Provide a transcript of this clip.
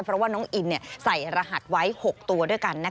เพราะว่าน้องอินใส่รหัสไว้๖ตัวด้วยกัน